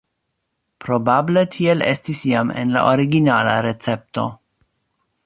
Probable tiel estis jam en la originala recepto.